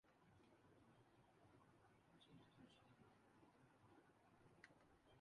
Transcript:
کیا نوازشریف ٹھنڈے پیٹوں یہ سب برداشت کر لیں گے؟